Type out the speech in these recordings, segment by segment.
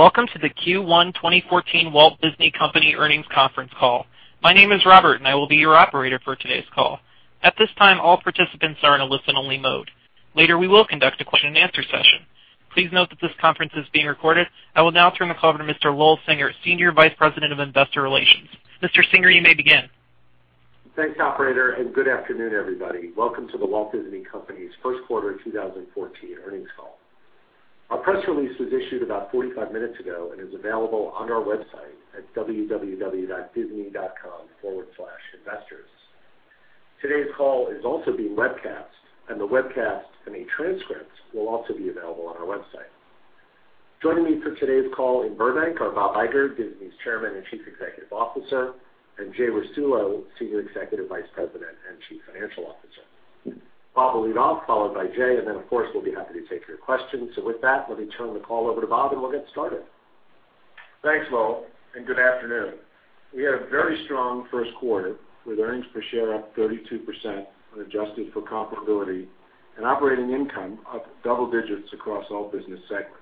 Welcome to the Q1 2014 The Walt Disney Company earnings conference call. My name is Robert, and I will be your operator for today's call. At this time, all participants are in a listen-only mode. Later, we will conduct a question-and-answer session. Please note that this conference is being recorded. I will now turn the call over to Mr. Lowell Singer, Senior Vice President of Investor Relations. Mr. Singer, you may begin. Thanks, operator. Good afternoon, everybody. Welcome to The Walt Disney Company's first quarter 2014 earnings call. Our press release was issued about 45 minutes ago and is available on our website at www.disney.com/investors. The webcast and a transcript will also be available on our website. Joining me for today's call in Burbank are Bob Iger, Disney's Chairman and Chief Executive Officer, and Jay Rasulo, Senior Executive Vice President and Chief Financial Officer. Bob will lead off, followed by Jay. Of course, we'll be happy to take your questions. With that, let me turn the call over to Bob. We'll get started. Thanks, Lowell. Good afternoon. We had a very strong first quarter with earnings per share up 32% when adjusted for comparability and operating income up double digits across all business segments.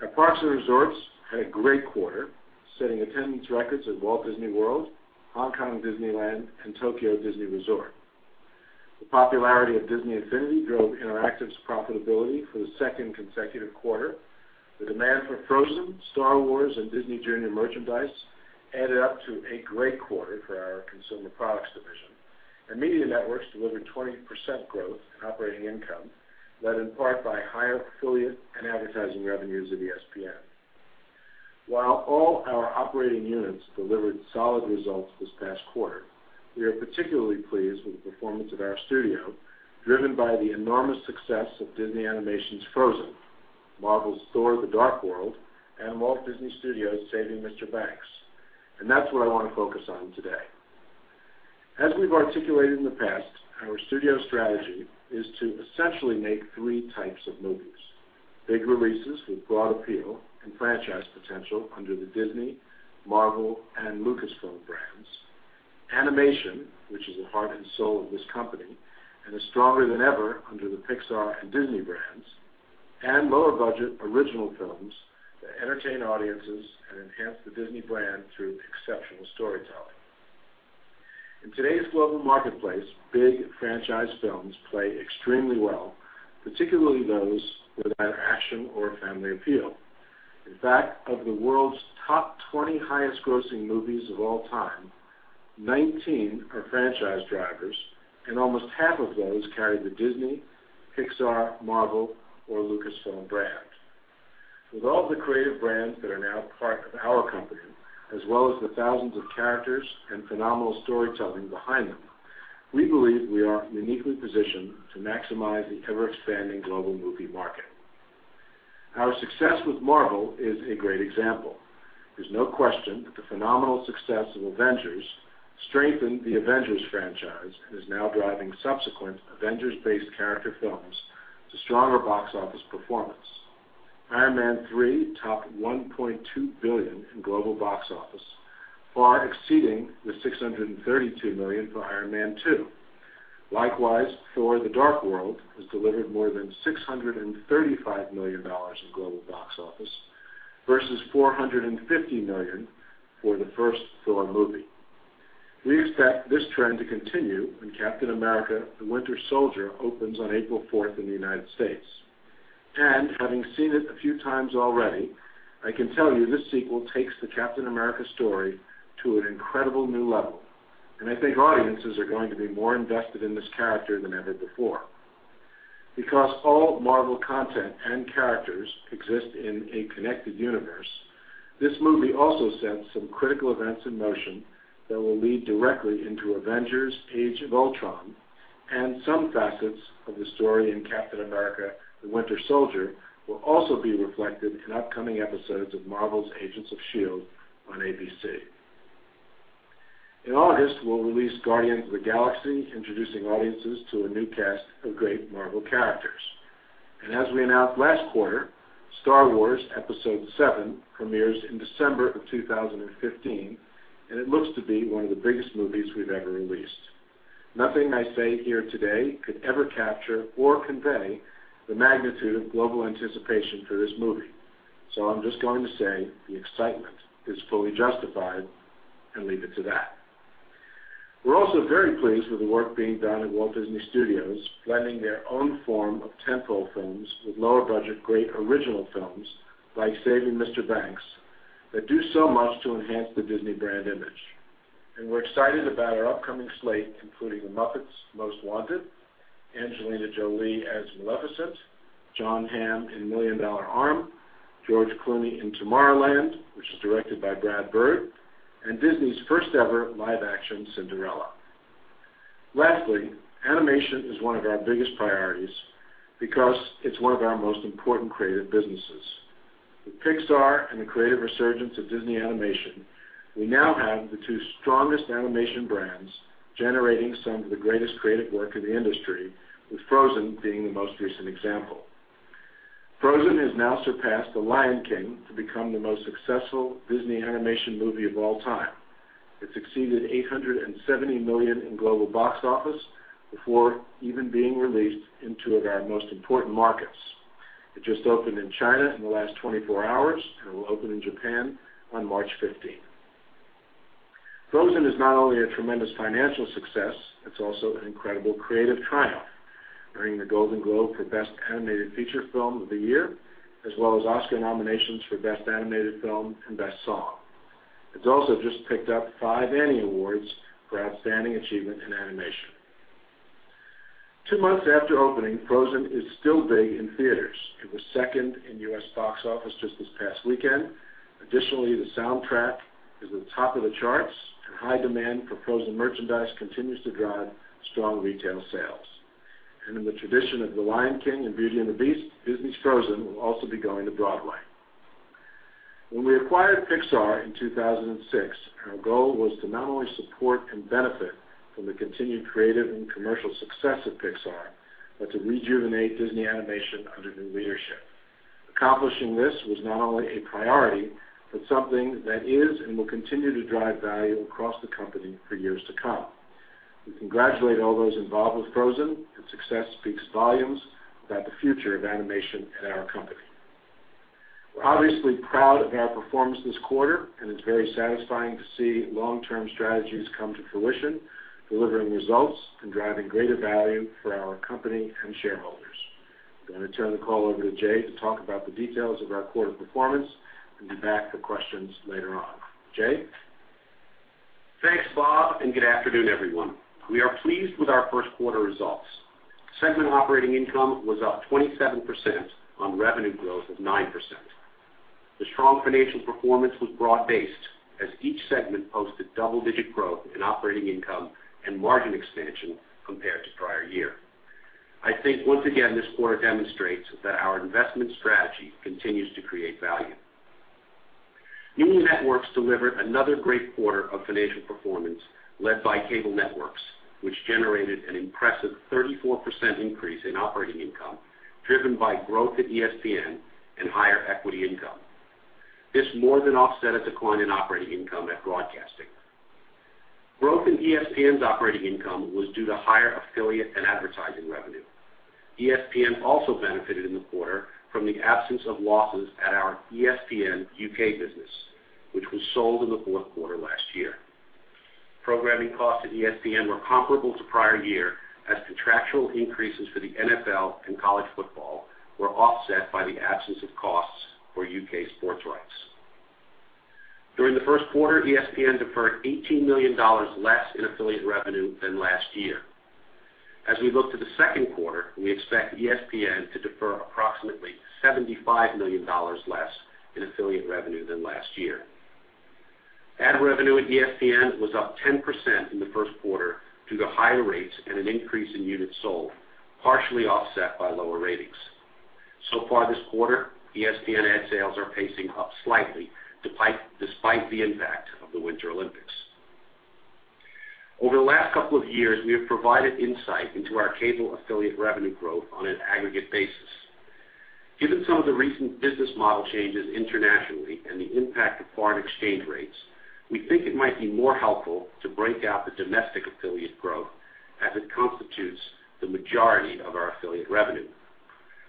Our parks and resorts had a great quarter, setting attendance records at Walt Disney World, Hong Kong Disneyland, and Tokyo Disney Resort. The popularity of Disney Infinity drove Interactive's profitability for the second consecutive quarter. The demand for Frozen, Star Wars, and Disney Junior merchandise added up to a great quarter for our Consumer Products division. Media Networks delivered 20% growth in operating income, led in part by higher affiliate and advertising revenues at ESPN. While all our operating units delivered solid results this past quarter, we are particularly pleased with the performance of our studio, driven by the enormous success of Disney Animation's Frozen, Marvel's Thor: The Dark World, and The Walt Disney Studios' Saving Mr. Banks. That's what I want to focus on today. As we've articulated in the past, our studio strategy is to essentially make 3 types of movies: big releases with broad appeal and franchise potential under the Disney, Marvel, and Lucasfilm brands; animation, which is the heart and soul of this company and is stronger than ever under the Pixar and Disney brands; and lower-budget original films that entertain audiences and enhance the Disney brand through exceptional storytelling. In today's global marketplace, big franchise films play extremely well, particularly those with either action or family appeal. In fact, of the world's top 20 highest-grossing movies of all time, 19 are franchise drivers, and almost half of those carry the Disney, Pixar, Marvel, or Lucasfilm brand. With all the creative brands that are now part of our company, as well as the thousands of characters and phenomenal storytelling behind them, we believe we are uniquely positioned to maximize the ever-expanding global movie market. Our success with Marvel is a great example. There's no question that the phenomenal success of Avengers strengthened the Avengers franchise and is now driving subsequent Avengers-based character films to stronger box office performance. Iron Man 3 topped $1.2 billion in global box office, far exceeding the $632 million for Iron Man 2. Likewise, Thor: The Dark World has delivered more than $635 million in global box office versus $450 million for the first Thor movie. We expect this trend to continue when Captain America: The Winter Soldier opens on April 4th in the U.S. Having seen it a few times already, I can tell you this sequel takes the Captain America story to an incredible new level. I think audiences are going to be more invested in this character than ever before. Because all Marvel content and characters exist in a connected universe, this movie also sets some critical events in motion that will lead directly into Avengers: Age of Ultron. Some facets of the story in Captain America: The Winter Soldier will also be reflected in upcoming episodes of Marvel's Agents of S.H.I.E.L.D. on ABC. In August, we'll release Guardians of the Galaxy, introducing audiences to a new cast of great Marvel characters. As we announced last quarter, Star Wars: Episode VII premieres in December of 2015. It looks to be one of the biggest movies we've ever released. Nothing I say here today could ever capture or convey the magnitude of global anticipation for this movie. I'm just going to say the excitement is fully justified and leave it to that. We're also very pleased with the work being done at Walt Disney Studios, blending their own form of tentpole films with lower-budget great original films like Saving Mr. Banks that do so much to enhance the Disney brand image. We're excited about our upcoming slate, including The Muppets Most Wanted, Angelina Jolie as Maleficent, Jon Hamm in Million Dollar Arm, George Clooney in Tomorrowland, which is directed by Brad Bird, and Disney's first-ever live-action Cinderella. Lastly, animation is one of our biggest priorities because it's one of our most important creative businesses. With Pixar and the creative resurgence of Disney Animation, we now have the two strongest animation brands generating some of the greatest creative work in the industry, with Frozen being the most recent example. Frozen has now surpassed The Lion King to become the most successful Disney Animation movie of all time. It's exceeded $870 million in global box office before even being released in two of our most important markets. It just opened in China in the last 24 hours, and it will open in Japan on March 15th. Frozen is not only a tremendous financial success, it's also an incredible creative triumph, earning the Golden Globe for Best Animated Feature Film of the Year, as well as Oscar nominations for Best Animated Film and Best Song. It's also just picked up five Annie Awards for outstanding achievement in animation. Two months after opening, Frozen is still big in theaters. It was second in U.S. box office just this past weekend. Additionally, the soundtrack is at the top of the charts, and high demand for Frozen merchandise continues to drive strong retail sales. In the tradition of The Lion King and Beauty and the Beast, Disney's Frozen will also be going to Broadway. When we acquired Pixar in 2006, our goal was to not only support and benefit from the continued creative and commercial success of Pixar, but to rejuvenate Disney Animation under new leadership. Accomplishing this was not only a priority, but something that is and will continue to drive value across the company for years to come. We congratulate all those involved with Frozen. Its success speaks volumes about the future of animation at our company. We're obviously proud of our performance this quarter. It's very satisfying to see long-term strategies come to fruition, delivering results and driving greater value for our company and shareholders. I'm going to turn the call over to Jay to talk about the details of our quarter performance and be back for questions later on. Jay? Thanks, Bob. Good afternoon, everyone. We are pleased with our first quarter results. Segment operating income was up 27% on revenue growth of 9%. The strong financial performance was broad-based as each segment posted double-digit growth in operating income and margin expansion compared to prior year. I think, once again, this quarter demonstrates that our investment strategy continues to create value. Disney Networks delivered another great quarter of financial performance led by Cable Networks, which generated an impressive 34% increase in operating income, driven by growth at ESPN and higher equity income. This more than offset a decline in operating income at Broadcasting. Growth in ESPN's operating income was due to higher affiliate and advertising revenue. ESPN also benefited in the quarter from the absence of losses at our ESPN UK business, which was sold in the fourth quarter last year. Programming costs at ESPN were comparable to prior year, as contractual increases for the NFL and college football were offset by the absence of costs for U.K. sports rights. During the first quarter, ESPN deferred $18 million less in affiliate revenue than last year. As we look to the second quarter, we expect ESPN to defer approximately $75 million less in affiliate revenue than last year. Ad revenue at ESPN was up 10% in the first quarter due to higher rates and an increase in units sold, partially offset by lower ratings. So far this quarter, ESPN ad sales are pacing up slightly despite the impact of the Winter Olympics. Over the last couple of years, we have provided insight into our cable affiliate revenue growth on an aggregate basis. Given some of the recent business model changes internationally and the impact of foreign exchange rates, we think it might be more helpful to break out the domestic affiliate growth as it constitutes the majority of our affiliate revenue.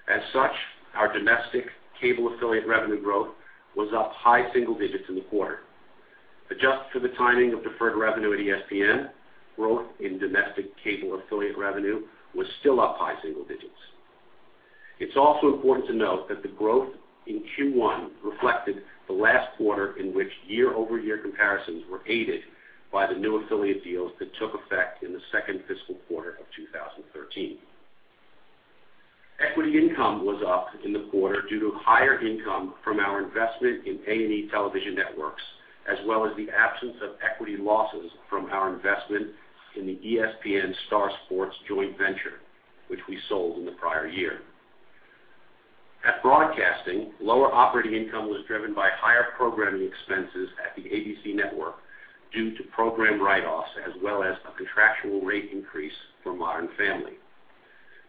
As such, our domestic cable affiliate revenue growth was up high single digits in the quarter. Adjusted for the timing of deferred revenue at ESPN, growth in domestic cable affiliate revenue was still up high single digits. It's also important to note that the growth in Q1 reflected the last quarter in which year-over-year comparisons were aided by the new affiliate deals that took effect in the second fiscal quarter of 2013. Equity income was up in the quarter due to higher income from our investment in A&E Television Networks, as well as the absence of equity losses from our investment in the ESPN STAR Sports joint venture, which we sold in the prior year. At Broadcasting, lower operating income was driven by higher programming expenses at the ABC Network due to program write-offs as well as a contractual rate increase for "Modern Family."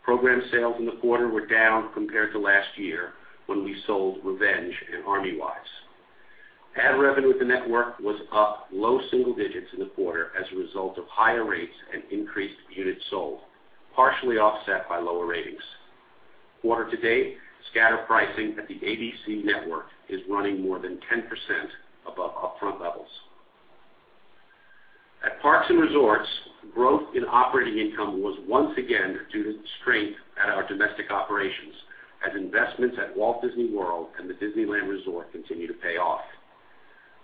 Program sales in the quarter were down compared to last year when we sold "Revenge" and "Army Wives." Ad revenue at the network was up low single digits in the quarter as a result of higher rates and increased units sold, partially offset by lower ratings. Quarter to date, scatter pricing at the ABC Network is running more than 10% above upfront levels. At Parks and Resorts, growth in operating income was once again due to strength at our domestic operations as investments at Walt Disney World and the Disneyland Resort continue to pay off.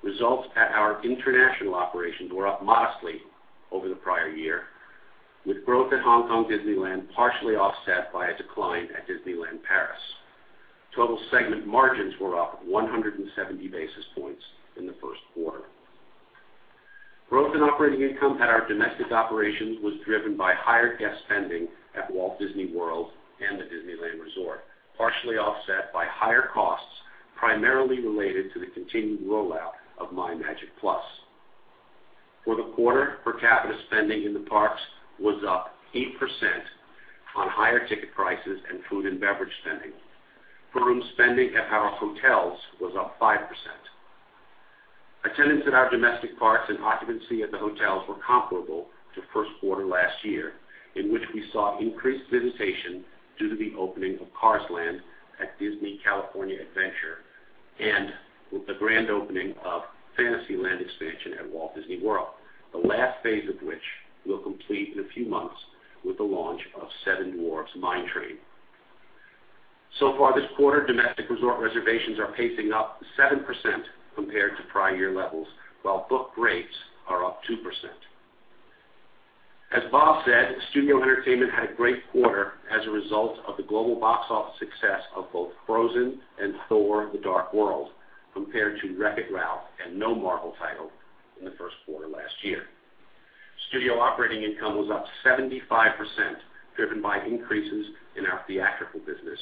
Results at our international operations were up modestly over the prior year, with growth at Hong Kong Disneyland partially offset by a decline at Disneyland Paris. Total segment margins were up 170 basis points in the first quarter. Growth in operating income at our domestic operations was driven by higher guest spending at Walt Disney World and the Disneyland Resort, partially offset by higher costs primarily related to the continued rollout of MyMagic+. For the quarter, per capita spending in the parks was up 8% on higher ticket prices and food and beverage spending. Per room spending at our hotels was up 5%. Attendance at our domestic parks and occupancy at the hotels were comparable to first quarter last year, in which we saw increased visitation due to the opening of Cars Land at Disney California Adventure and with the grand opening of Fantasyland expansion at Walt Disney World, the last phase of which we'll complete in a few months with the launch of Seven Dwarfs Mine Train. So far this quarter, domestic resort reservations are pacing up 7% compared to prior year levels, while book rates are up 2%. As Bob said, Studio Entertainment had a great quarter as a result of the global box office success of both Frozen and Thor: The Dark World compared to Wreck-It Ralph and no Marvel title in the first quarter last year. Studio operating income was up 75%, driven by increases in our theatrical business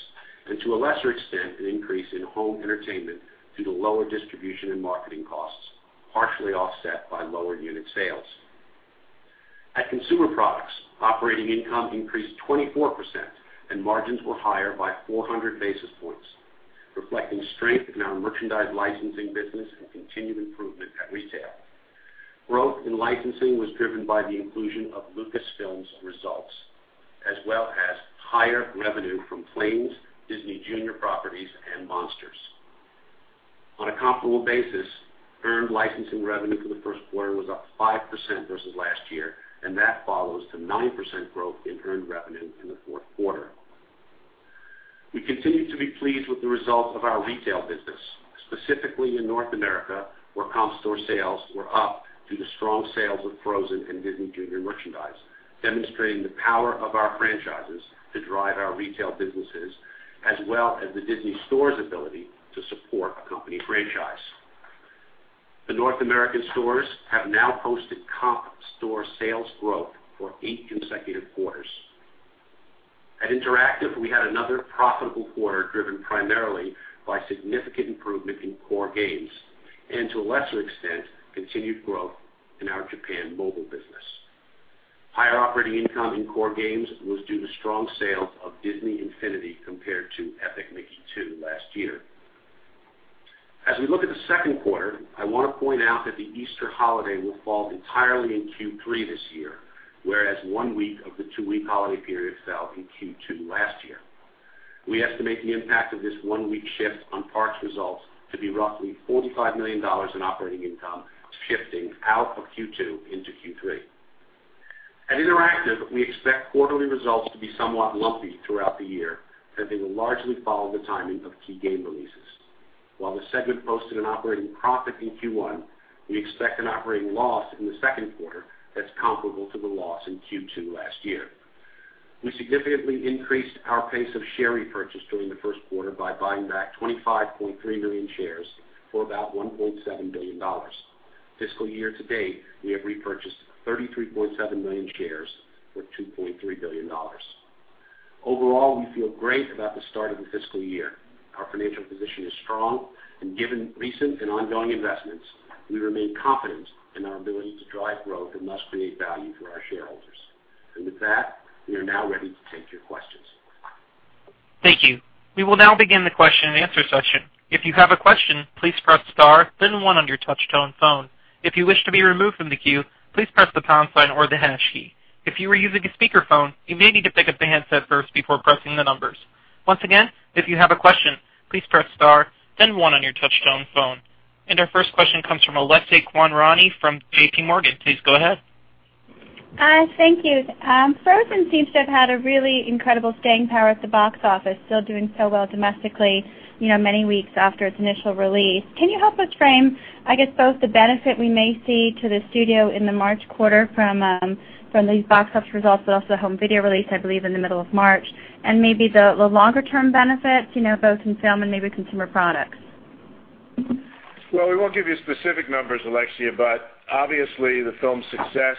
and, to a lesser extent, an increase in home entertainment due to lower distribution and marketing costs, partially offset by lower unit sales. At Consumer Products, operating income increased 24% and margins were higher by 400 basis points, reflecting strength in our merchandise licensing business and continued improvement at retail. Growth in licensing was driven by the inclusion of Lucasfilm's results as well as higher revenue from Planes, Disney Junior properties and Monsters. On a comparable basis, earned licensing revenue for the first quarter was up 5% versus last year, and that follows the 9% growth in earned revenue in the fourth quarter. We continue to be pleased with the results of our retail business, specifically in North America, where comp store sales were up due to strong sales of Frozen and Disney Junior merchandise, demonstrating the power of our franchises to drive our retail businesses as well as the Disney Store's ability to support a company franchise. The North American stores have now posted comp store sales growth for eight consecutive quarters. At Interactive, we had another profitable quarter driven primarily by significant improvement in core games and, to a lesser extent, continued growth in our Japan mobile business. Higher operating income in core games was due to strong sales of Disney Infinity compared to Epic Mickey 2 last year. As we look at the second quarter, I want to point out that the Easter holiday will fall entirely in Q3 this year, whereas one week of the two-week holiday period fell in Q2 last year. We estimate the impact of this one-week shift on parks results to be roughly $45 million in operating income shifting out of Q2 into Q3. At Interactive, we expect quarterly results to be somewhat lumpy throughout the year as they will largely follow the timing of key game releases. While the segment posted an operating profit in Q1, we expect an operating loss in the second quarter that's comparable to the loss in Q2 last year. We significantly increased our pace of share repurchase during the first quarter by buying back 25.3 million shares for about $1.7 billion. Fiscal year to date, we have repurchased 33.7 million shares for $2.3 billion. Overall, we feel great about the start of the fiscal year. Our financial position is strong and given recent and ongoing investments, we remain confident in our ability to drive growth and thus create value for our shareholders. With that, we are now ready to take your questions. Thank you. We will now begin the question and answer session. If you have a question, please press star then one on your touch-tone phone. If you wish to be removed from the queue, please press the pound sign or the hash key. If you are using a speakerphone, you may need to pick up the handset first before pressing the numbers. Once again, if you have a question, please press star then one on your touch-tone phone. Our first question comes from Alexia Quadrani from J.P. Morgan. Please go ahead. Hi, thank you. Frozen seems to have had a really incredible staying power at the box office, still doing so well domestically many weeks after its initial release. Can you help us frame, I guess, both the benefit we may see to the studio in the March quarter from these box office results, but also the home video release, I believe, in the middle of March and maybe the longer-term benefits, both in film and maybe consumer products? Well, we won't give you specific numbers, Alexia, but obviously the film's success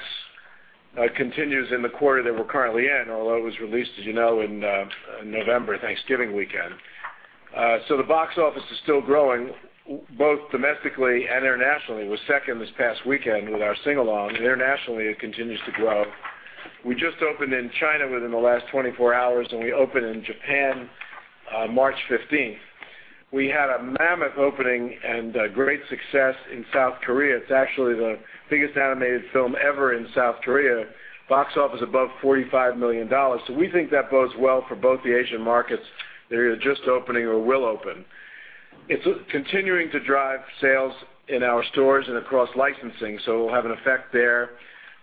continues in the quarter that we're currently in, although it was released, as you know, in November, Thanksgiving weekend. The box office is still growing both domestically and internationally. It was second this past weekend with our sing-along, and internationally it continues to grow. We just opened in China within the last 24 hours, and we open in Japan on March 15th. We had a mammoth opening and a great success in South Korea. It's actually the biggest animated film ever in South Korea. Box office above $45 million. We think that bodes well for both the Asian markets that are just opening or will open. It's continuing to drive sales in our stores and across licensing, so it'll have an effect there.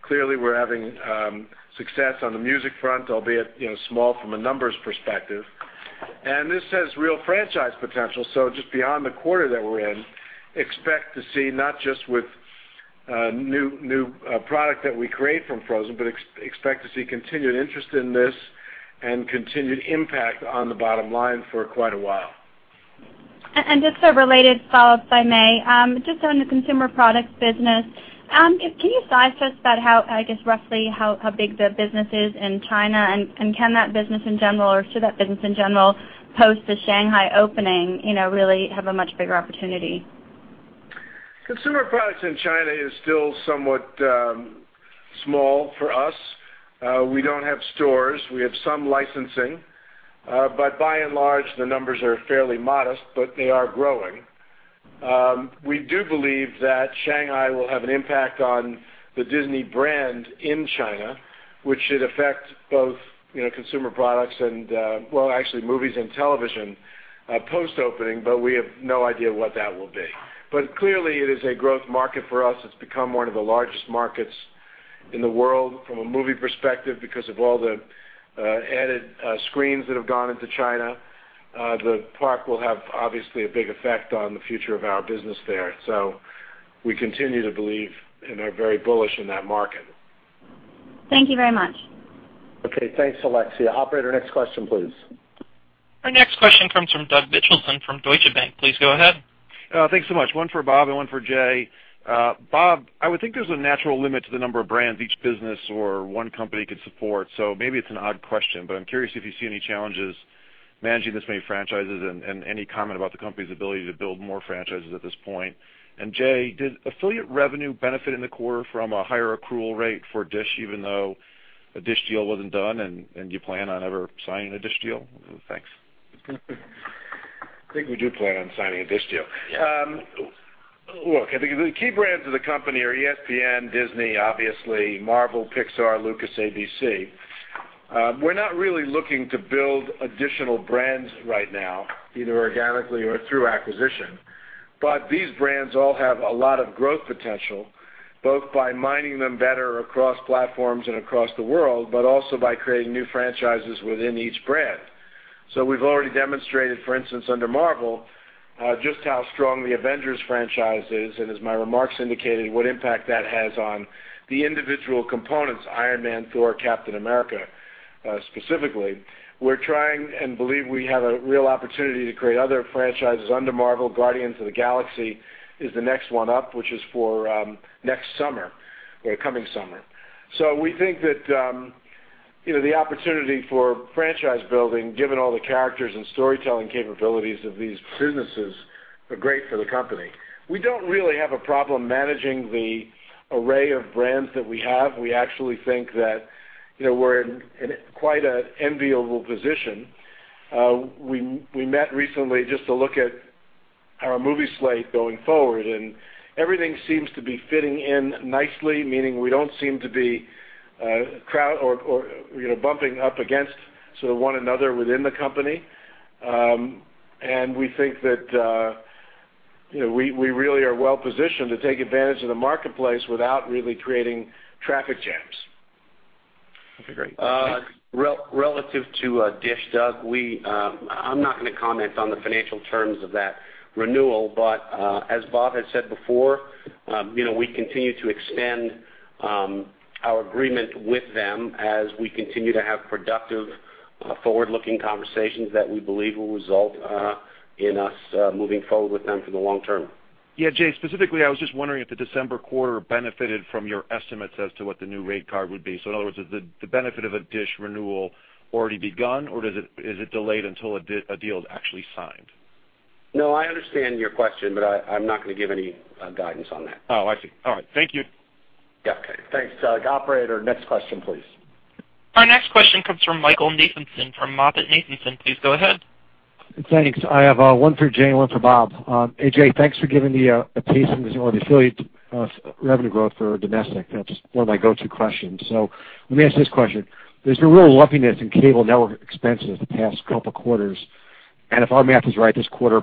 Clearly, we're having success on the music front, albeit small from a numbers perspective. This has real franchise potential, so just beyond the quarter that we're in, expect to see not just with new product that we create from Frozen, but expect to see continued interest in this and continued impact on the bottom line for quite a while. Just a related follow-up, if I may. Just on the consumer products business, can you size us about how, I guess roughly, how big the business is in China? Can that business in general, or should that business in general post the Shanghai opening, really have a much bigger opportunity? Consumer products in China is still somewhat small for us. We don't have stores. We have some licensing. By and large, the numbers are fairly modest, but they are growing. We do believe that Shanghai will have an impact on the Disney brand in China, which should affect both consumer products and, well, actually movies and television post-opening. We have no idea what that will be. Clearly, it is a growth market for us. It's become one of the largest markets in the world from a movie perspective because of all the added screens that have gone into China. The park will have obviously a big effect on the future of our business there. We continue to believe and are very bullish in that market. Thank you very much. Okay. Thanks, Alexia. Operator, next question, please. Our next question comes from Douglas Mitchelson from Deutsche Bank. Please go ahead. Thanks so much. One for Bob and one for Jay. Bob, I would think there's a natural limit to the number of brands each business or one company could support. Maybe it's an odd question, but I'm curious if you see any challenges managing this many franchises and any comment about the company's ability to build more franchises at this point. Jay, did affiliate revenue benefit in the quarter from a higher accrual rate for DISH, even though a DISH deal wasn't done, and do you plan on ever signing a DISH deal? Thanks. I think we do plan on signing a DISH deal. Look, I think the key brands of the company are ESPN, Disney, obviously Marvel, Pixar, Lucas, ABC. We're not really looking to build additional brands right now, either organically or through acquisition. These brands all have a lot of growth potential, both by mining them better across platforms and across the world, but also by creating new franchises within each brand. We've already demonstrated, for instance, under Marvel, just how strong the Avengers franchise is and, as my remarks indicated, what impact that has on the individual components, Iron Man, Thor, Captain America, specifically. We're trying and believe we have a real opportunity to create other franchises under Marvel. Guardians of the Galaxy is the next one up, which is for next summer or coming summer. We think that the opportunity for franchise building, given all the characters and storytelling capabilities of these businesses, are great for the company. We don't really have a problem managing the array of brands that we have. We actually think that we're in quite an enviable position. We met recently just to look at our movie slate going forward, and everything seems to be fitting in nicely, meaning we don't seem to be bumping up against one another within the company. We think that we really are well-positioned to take advantage of the marketplace without really creating traffic jams. Okay, great. Relative to DISH, Doug, I'm not going to comment on the financial terms of that renewal. As Bob has said before, we continue to extend our agreement with them as we continue to have productive, forward-looking conversations that we believe will result in us moving forward with them for the long term. Yeah, Jay, specifically, I was just wondering if the December quarter benefited from your estimates as to what the new rate card would be. In other words, has the benefit of a DISH renewal already begun, or is it delayed until a deal is actually signed? No, I understand your question, but I'm not going to give any guidance on that. Oh, I see. All right. Thank you. Yeah. Okay. Thanks, Doug. Operator, next question, please. Our next question comes from Michael Nathanson from MoffettNathanson. Please go ahead. Thanks. I have one for Jay and one for Bob. Hey, Jay, thanks for giving me a taste of the affiliate revenue growth for domestic. That's one of my go-to questions. Let me ask this question. There's been real lumpiness in cable network expenses the past couple of quarters, and if our math is right, this quarter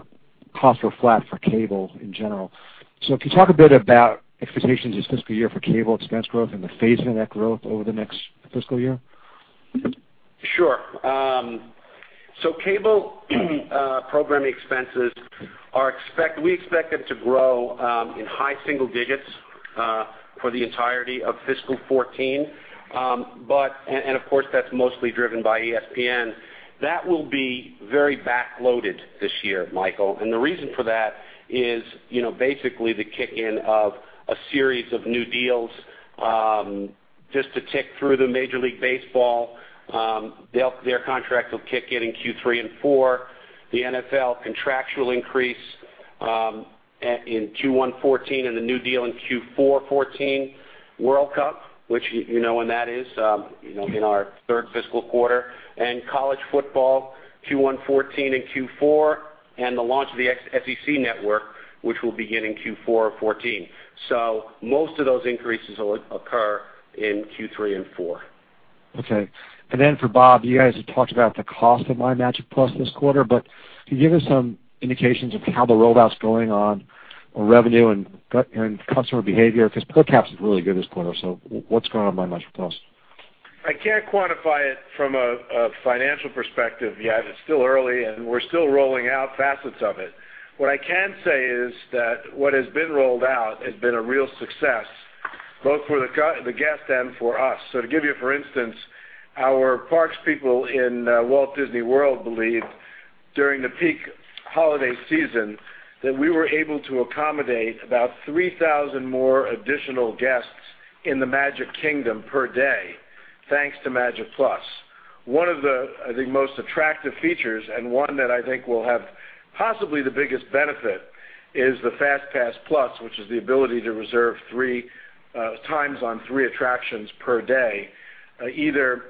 costs are flat for cable in general. Can you talk a bit about expectations this fiscal year for cable expense growth and the phasing of that growth over the next fiscal year? Sure. Cable programming expenses, we expect them to grow in high single digits for the entirety of fiscal 2014. Of course, that's mostly driven by ESPN. That will be very back-loaded this year, Michael, the reason for that is basically the kick-in of a series of new deals. Just to tick through them, Major League Baseball, their contract will kick in in Q3 and Q4. The NFL contractual increase in Q1 2014 and the new deal in Q4 2014. World Cup, which you know when that is, in our third fiscal quarter. College football, Q1 2014 and Q4, and the launch of the SEC Network, which will begin in Q4 2014. Most of those increases will occur in Q3 and Q4. Okay. Then for Bob, you guys have talked about the cost of MyMagic+ this quarter, can you give us some indications of how the rollout's going on revenue and customer behavior? Per caps is really good this quarter, what's going on with MyMagic+? I can't quantify it from a financial perspective yet. It's still early, we're still rolling out facets of it. What I can say is that what has been rolled out has been a real success, both for the guest and for us. To give you a for instance, our parks people in Walt Disney World believe during the peak holiday season that we were able to accommodate about 3,000 more additional guests in the Magic Kingdom per day, thanks to Magic+. One of the, I think, most attractive features and one that I think will have possibly the biggest benefit is the FastPass+, which is the ability to reserve times on three attractions per day, either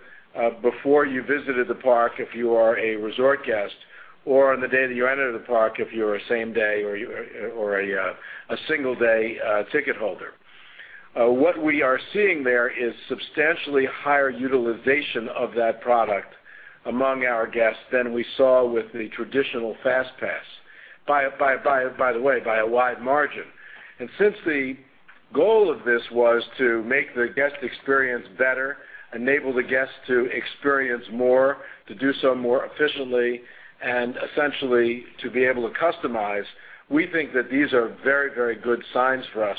before you visited the park if you are a resort guest, or on the day that you enter the park if you're a same-day or a single-day ticket holder. What we are seeing there is substantially higher utilization of that product among our guests than we saw with the traditional FastPass, by the way, by a wide margin. Since the goal of this was to make the guest experience better, enable the guests to experience more, to do so more efficiently, and essentially to be able to customize, we think that these are very good signs for us,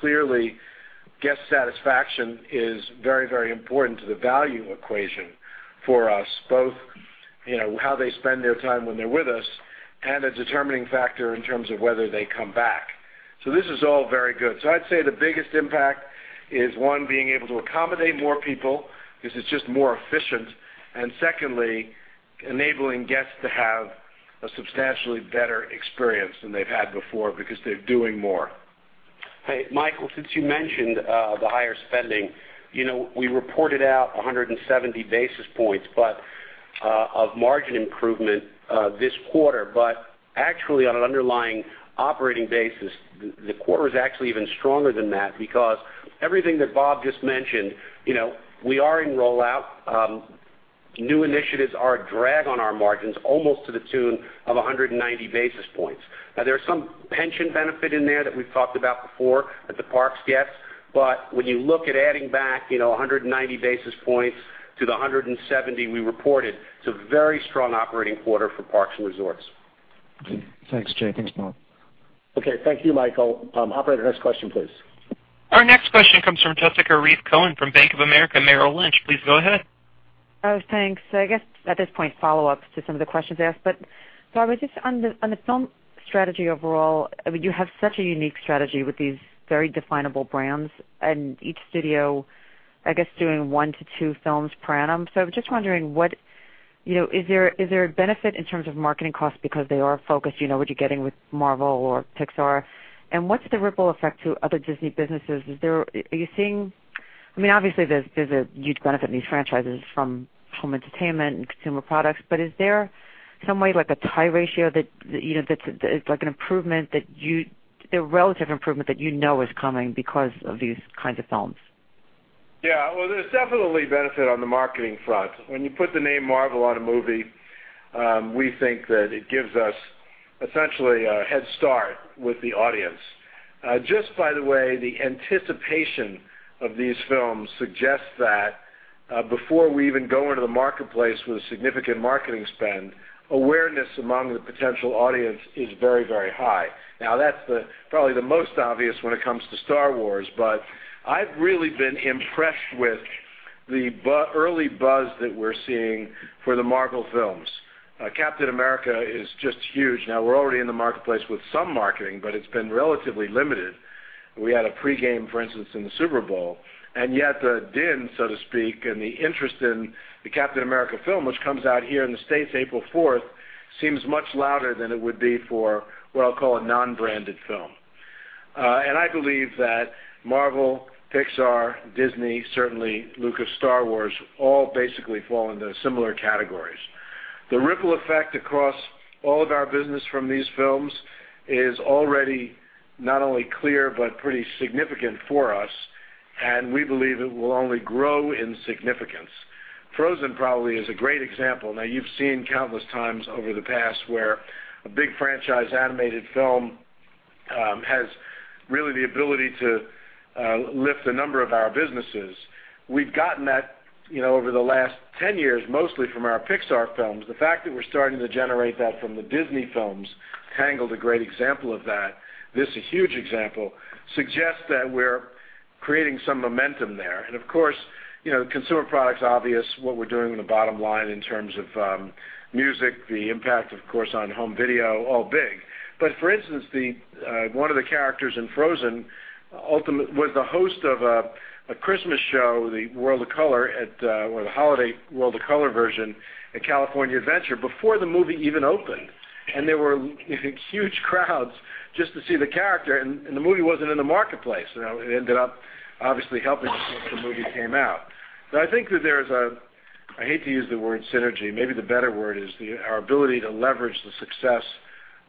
clearly, guest satisfaction is very important to the value equation for us both, how they spend their time when they're with us, and a determining factor in terms of whether they come back. This is all very good. I'd say the biggest impact is one, being able to accommodate more people because it's just more efficient, and secondly, enabling guests to have a substantially better experience than they've had before because they're doing more. Hey, Michael, since you mentioned the higher spending, we reported out 170 basis points of margin improvement this quarter, but actually on an underlying operating basis, the quarter is actually even stronger than that because everything that Bob just mentioned, we are in rollout. New initiatives are a drag on our margins, almost to the tune of 190 basis points. Now, there's some pension benefit in there that we've talked about before at the Parks guests. When you look at adding back, 190 basis points to the 170 we reported, it's a very strong operating quarter for Parks and Resorts. Thanks, Jay. Thanks, Bob. Okay. Thank you, Michael. Operator, next question, please. Our next question comes from Jessica Reif Cohen from Bank of America Merrill Lynch. Please go ahead. Oh, thanks. I guess at this point, follow-ups to some of the questions asked. Bob, on the film strategy overall, you have such a unique strategy with these very definable brands and each studio, I guess, doing one to two films per annum. I'm just wondering, is there a benefit in terms of marketing costs because they are focused, what you're getting with Marvel or Pixar, and what's the ripple effect to other Disney businesses? Are you seeing? Obviously, there's a huge benefit in these franchises from home entertainment and consumer products, but is there some way, like a tie ratio that's like a relative improvement that you know is coming because of these kinds of films? Yeah. Well, there's definitely a benefit on the marketing front. When you put the name Marvel on a movie, we think that it gives us essentially a head start with the audience. Just by the way, the anticipation of these films suggests that before we even go into the marketplace with a significant marketing spend, awareness among the potential audience is very high. That's probably the most obvious when it comes to Star Wars, but I've really been impressed with the early buzz that we're seeing for the Marvel films. Captain America is just huge. We're already in the marketplace with some marketing, but it's been relatively limited. We had a pregame, for instance, in the Super Bowl, and yet the din, so to speak, and the interest in the Captain America film, which comes out here in the U.S. April 4th, seems much louder than it would be for what I'll call a non-branded film. I believe that Marvel, Pixar, Disney, certainly Lucas, Star Wars, all basically fall into similar categories. The ripple effect across all of our business from these films is already not only clear but pretty significant for us, and we believe it will only grow in significance. Frozen probably is a great example. You've seen countless times over the past where a big franchise-animated film has really the ability to lift a number of our businesses. We've gotten that over the last 10 years, mostly from our Pixar films. The fact that we're starting to generate that from the Disney films, Tangled a great example of that, this a huge example, suggests that we're creating some momentum there. Of course, consumer products obvious what we're doing on the bottom line in terms of music, the impact of course on home video, all big. For instance, one of the characters in Frozen was the host of a Christmas show, the World of Color at Well, the holiday World of Color version at California Adventure before the movie even opened, and there were huge crowds just to see the character, and the movie wasn't in the marketplace. It ended up obviously helping us when the movie came out. I think that there's a I hate to use the word synergy. Maybe the better word is our ability to leverage the success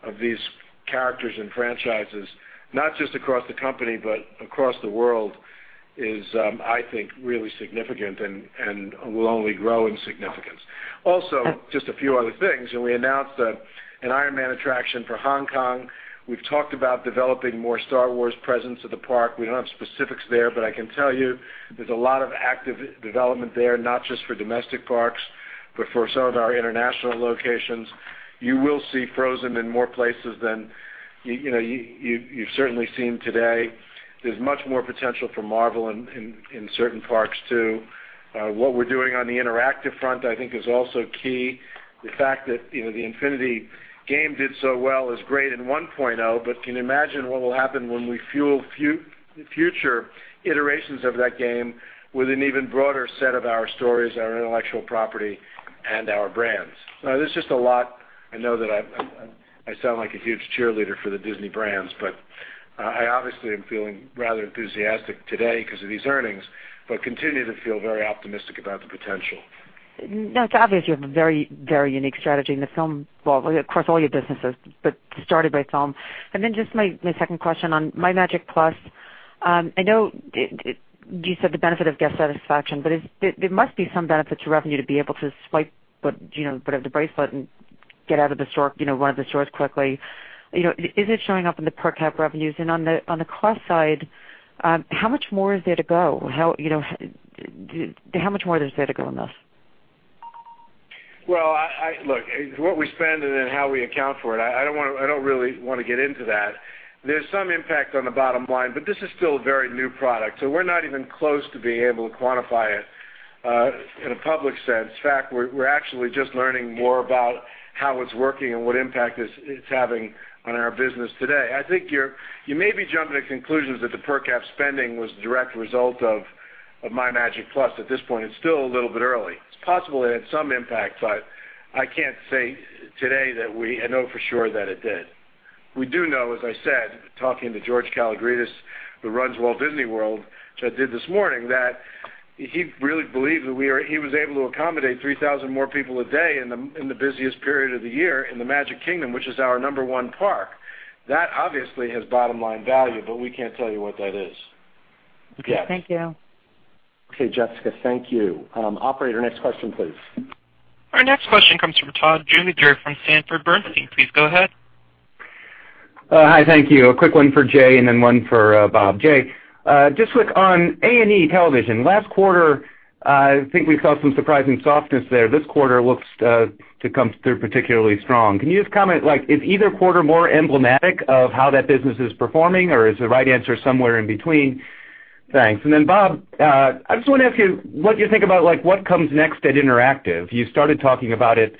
of these characters and franchises, not just across the company, but across the world is, I think, really significant and will only grow in significance. Just a few other things, we announced an Iron Man attraction for Hong Kong. We've talked about developing more Star Wars presence at the park. We don't have specifics there, but I can tell you there's a lot of active development there, not just for domestic parks, but for some of our international locations. You will see Frozen in more places than you've certainly seen today. There's much more potential for Marvel in certain parks, too. What we're doing on the interactive front, I think, is also key. The fact that the Disney Infinity game did so well is great in 1.0, can you imagine what will happen when we fuel future iterations of that game with an even broader set of our stories, our intellectual property, and our brands? There's just a lot I know that I sound like a huge cheerleader for the Disney brands, but I obviously am feeling rather enthusiastic today because of these earnings, but continue to feel very optimistic about the potential. No, it's obvious you have a very unique strategy in the film world, across all your businesses, but started by film. Just my second question on MyMagic+. I know you said the benefit of guest satisfaction, but there must be some benefit to revenue to be able to swipe the bracelet and get out of one of the stores quickly. Is it showing up in the per cap revenues? On the cost side, how much more is there to go in this? Well, look, what we spend and then how we account for it, I don't really want to get into that. There's some impact on the bottom line, but this is still a very new product, so we're not even close to being able to quantify it in a public sense. In fact, we're actually just learning more about how it's working and what impact it's having on our business today. I think you may be jumping to conclusions that the per cap spending was a direct result of MyMagic+ at this point. It's still a little bit early. It's possible it had some impact, but I can't say today that I know for sure that it did. We do know, as I said, talking to George Kalogridis, who runs Walt Disney World, which I did this morning, that he really believes that he was able to accommodate 3,000 more people a day in the busiest period of the year in the Magic Kingdom, which is our number one park. That obviously has bottom-line value, we can't tell you what that is yet. Okay. Thank you. Okay, Jessica, thank you. Operator, next question, please. Our next question comes from Todd Juenger from Sanford Bernstein. Please go ahead. Hi, thank you. A quick one for Jay and then one for Bob. Jay, just on A&E Television, last quarter, I think we saw some surprising softness there. This quarter looks to come through particularly strong. Can you just comment, is either quarter more emblematic of how that business is performing, or is the right answer somewhere in between? Thanks. Bob, I just want to ask you what you think about what comes next at Interactive. You started talking about it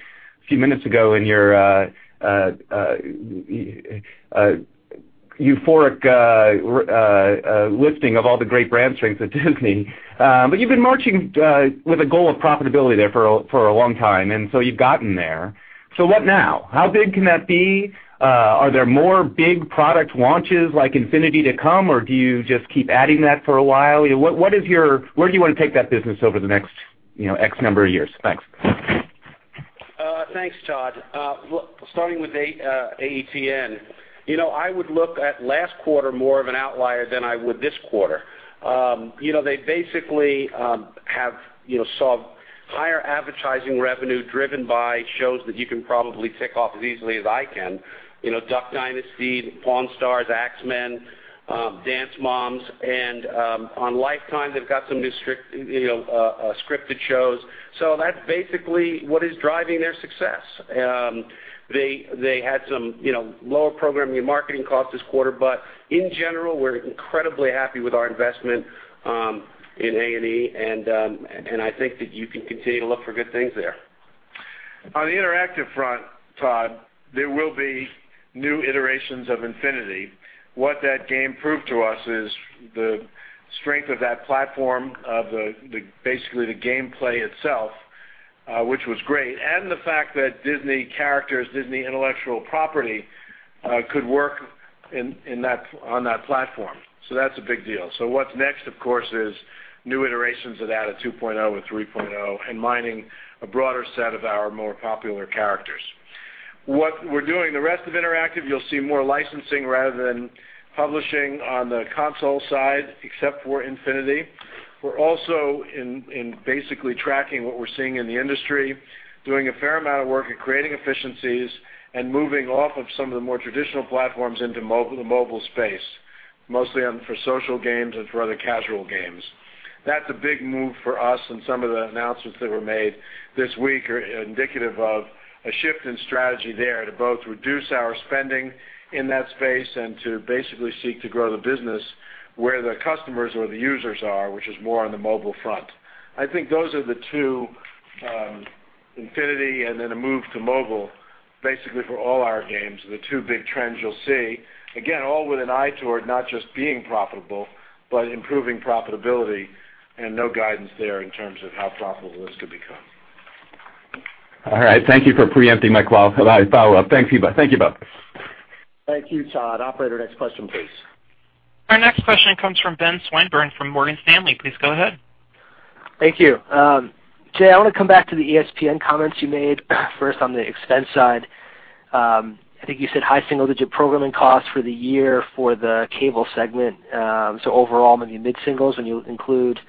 a few minutes ago in your euphoric listing of all the great brand strengths at Disney. You've been marching with a goal of profitability there for a long time, you've gotten there. What now? How big can that be? Are there more big product launches like Infinity to come, or do you just keep adding that for a while? Where do you want to take that business over the next X number of years? Thanks. Thanks, Todd. Starting with AETN. I would look at last quarter more of an outlier than I would this quarter. They have solved higher advertising revenue driven by shows that you can probably tick off as easily as I can. "Duck Dynasty," "Pawn Stars," "Ax Men," "Dance Moms," and on Lifetime, they've got some new scripted shows. That's what is driving their success. They had some lower programming and marketing costs this quarter, in general, we're incredibly happy with our investment in A&E, and I think that you can continue to look for good things there. On the interactive front, Todd, there will be new iterations of Infinity. What that game proved to us is the strength of that platform of the gameplay itself, which was great, and the fact that Disney characters, Disney intellectual property, could work on that platform. That's a big deal. What's next, of course, is new iterations of that, a 2.0, a 3.0, and mining a broader set of our more popular characters. What we're doing the rest of Interactive, you'll see more licensing rather than publishing on the console side, except for Infinity. We're also tracking what we're seeing in the industry, doing a fair amount of work at creating efficiencies and moving off of some of the more traditional platforms into the mobile space, mostly for social games and for other casual games. That's a big move for us, some of the announcements that were made this week are indicative of a shift in strategy there to both reduce our spending in that space and to seek to grow the business where the customers or the users are, which is more on the mobile front. I think those are the two, Infinity and then a move to mobile, basically for all our games, are the two big trends you'll see. All with an eye toward not just being profitable, but improving profitability, and no guidance there in terms of how profitable this could become. All right. Thank you for preempting my follow-up. Thank you both. Thank you, Todd. Operator, next question, please. Our next question comes from Benjamin Swinburne from Morgan Stanley. Please go ahead. Thank you. Jay, I want to come back to the ESPN comments you made first on the expense side. I think you said high single-digit programming costs for the year for the cable segment. Overall, maybe mid-singles when you include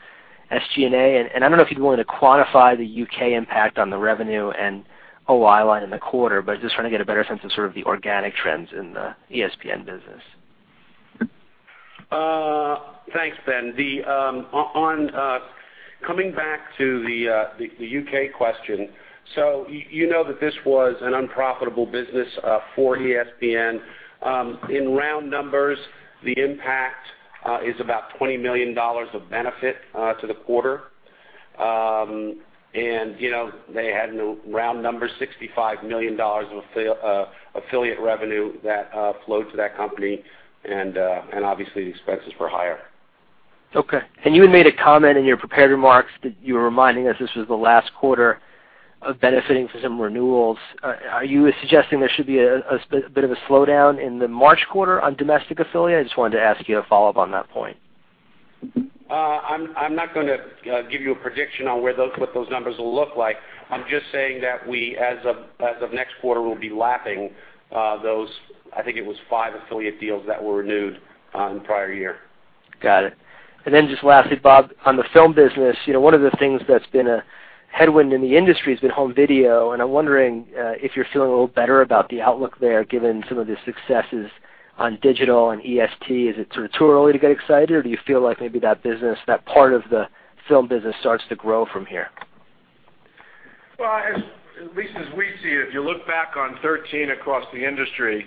SG&A. I don't know if you'd be willing to quantify the U.K. impact on the revenue and OI line in the quarter, but just trying to get a better sense of sort of the organic trends in the ESPN business. Thanks, Ben. Coming back to the U.K. question, you know that this was an unprofitable business for ESPN. In round numbers, the impact is about $20 million of benefit to the quarter. They had round numbers, $65 million of affiliate revenue that flowed to that company, and obviously, the expenses were higher. Okay. You had made a comment in your prepared remarks that you were reminding us this was the last quarter of benefiting from some renewals. Are you suggesting there should be a bit of a slowdown in the March quarter on domestic affiliate? I just wanted to ask you a follow-up on that point. I'm not going to give you a prediction on what those numbers will look like. I'm just saying that we, as of next quarter, will be lapping those, I think it was five affiliate deals that were renewed in the prior year. Got it. Just lastly, Bob, on the film business, one of the things that's been a headwind in the industry has been home video, and I'm wondering if you're feeling a little better about the outlook there, given some of the successes on digital and EST. Is it sort of too early to get excited, or do you feel like maybe that business, that part of the film business, starts to grow from here? Well, at least as we see it, if you look back on 2013 across the industry,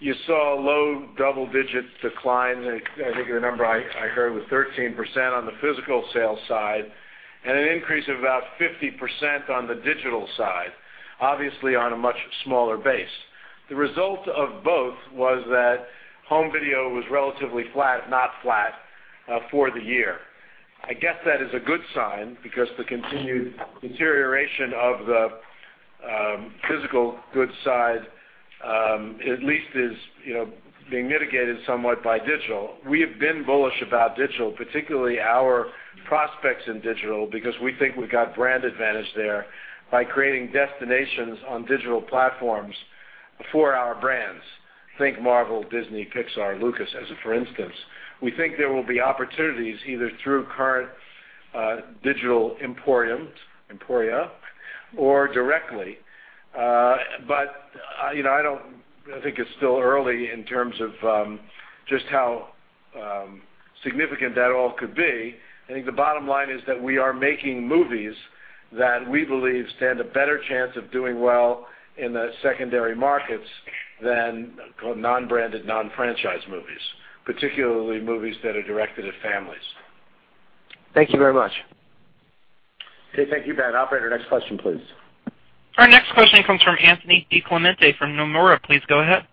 you saw a low double-digit decline. I think a number I heard was 13% on the physical sales side and an increase of about 50% on the digital side, obviously on a much smaller base. The result of both was that home video was relatively flat, if not flat, for the year. I guess that is a good sign because the continued deterioration of the physical goods side at least is being mitigated somewhat by digital. We have been bullish about digital, particularly our prospects in digital, because we think we've got brand advantage there by creating destinations on digital platforms for our brands. Think Marvel, Disney, Pixar, Lucas as a for instance. We think there will be opportunities either through current digital emporiums, emporia, or directly. I think it's still early in terms of just how significant that all could be. I think the bottom line is that we are making movies that we believe stand a better chance of doing well in the secondary markets than non-branded, non-franchise movies, particularly movies that are directed at families. Thank you very much. Okay. Thank you, Ben. Operator, next question, please. Our next question comes from Anthony DiClemente from Nomura. Please go ahead.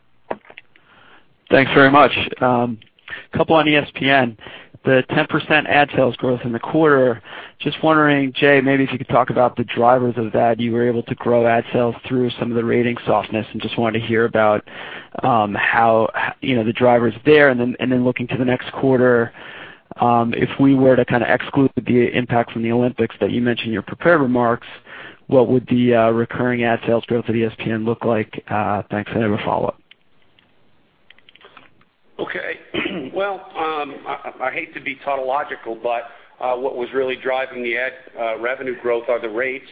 Thanks very much. A couple on ESPN, the 10% ad sales growth in the quarter, just wondering, Jay, maybe if you could talk about the drivers of that. You were able to grow ad sales through some of the rating softness and just wanted to hear about the drivers there. Then looking to the next quarter, if we were to kind of exclude the impact from the Olympics that you mentioned in your prepared remarks, what would the recurring ad sales growth of ESPN look like? Thanks, and I have a follow-up. Okay. Well, I hate to be tautological, but what was really driving the ad revenue growth are the rates